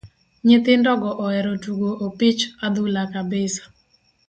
Nyithindo go oero tugo opich adhula kabisa.